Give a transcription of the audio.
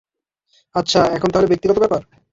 আচ্ছা, এখন তাহলে ব্যক্তিগত ব্যাপার?